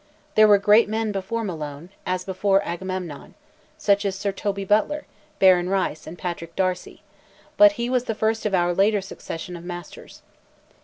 There were great men before Malone, as before Agamemnon; such as Sir Toby Butler, Baron Rice, and Patrick Darcy; but he was the first of our later succession of masters.